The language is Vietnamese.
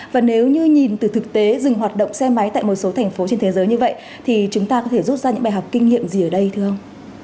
và nếu như nhìn từ thực tế dừng hoạt động xe máy tại một số thành phố trên thế giới như vậy thì chúng ta có thể rút ra những bài học kinh nghiệm gì ở đây thưa ông